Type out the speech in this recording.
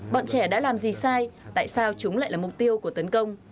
bọn trẻ đã làm gì sai tại sao chúng lại là mục tiêu của tấn công